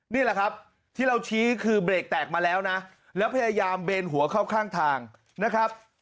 นี่แหละครับที่เราชี้คือเบรกแตกมาแล้วนะแล้วพยายามเบนหัวเข้าข้างทางนะครับ